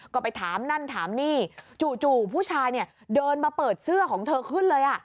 ก็ไปถามนั่นถามนี่จู่ผู้ชายเนี่ยเดินมาเปิดเสื้อของเธอขึ้นเลย